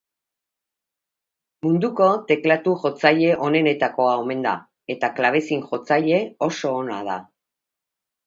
Munduko teklatu jotzaile onenetakoa omen da eta klabezin jotzaile oso onda da.